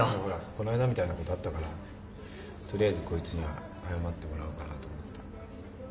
こないだみたいなことあったからとりあえずこいつには謝ってもらおうかなと思って。